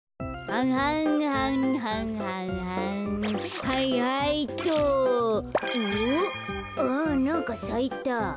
あなんかさいた。